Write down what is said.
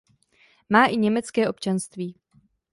Má i německé občanství.